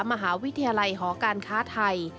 มหาวิทยาลัยหอการค้าไทย